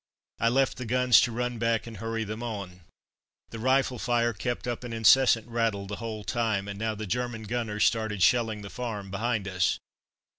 I left the guns to run back and hurry them on. The rifle fire kept up an incessant rattle the whole time, and now the German gunners started shelling the farm behind us.